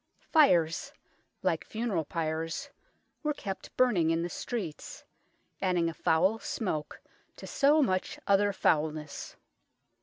Fires, like funeral pyres, were kept burning in the streets, adding a foul smoke to so much other foulness.